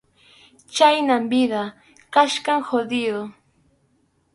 Chhayna vida kachkan jodido.